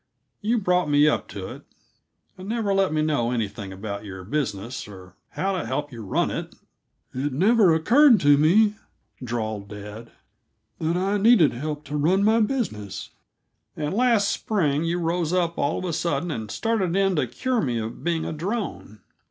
You brought me up to it, and never let me know anything about your business, or how to help you run it " "It never occurred to me," drawled dad, "that I needed help to run my business." "And last spring you rose up, all of a sudden, and started in to cure me of being a drone.